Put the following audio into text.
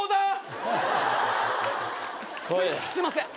すいません